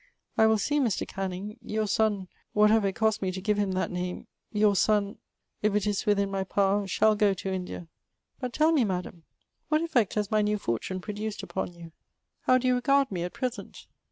I will see Mr. Canning ; your son — ^whatever it costs me to give him that name — your son, if it is within my power, shall go to India. But tell me, Madam, what effect has my new fortune produced upon you ? How do you regard me at present